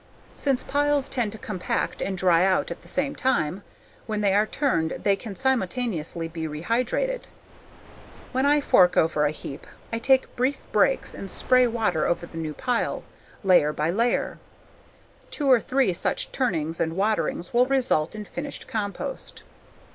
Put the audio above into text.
Since piles tend to compact and dry out at the same time, when they are turned they can simultaneously be rehydrated. When I fork over a heap I take brief breaks and spray water over the new pile, layer by layer. Two or three such turnings and waterings will result in finished compost.